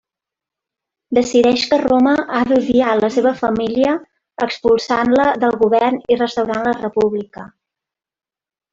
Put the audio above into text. Decideix que Roma ha d'odiar la seva família, expulsant-la del govern i restaurant la República.